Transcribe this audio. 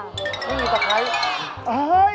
นี่มีตะไคร้โอ้โฮนี่ไงน้องเจน